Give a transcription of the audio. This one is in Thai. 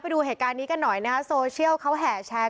ไปดูหัวนี้กันหน่อยน่ะโซเชียลเขาแห่แชร์